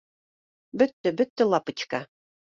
Бөттө, бөттө, лапочка